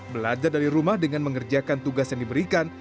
belajar dari rumah dengan mengerjakan tugas yang diberikan